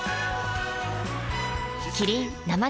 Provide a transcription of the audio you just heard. キリン「生茶」